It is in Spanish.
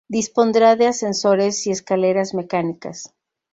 Dispondrá de ascensores y escaleras mecánicas.